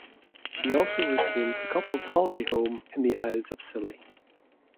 She also retains the couple's holiday home in the Isles of Scilly.